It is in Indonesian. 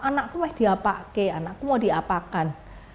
anak tuh mah diapake anak tuh mau diapakan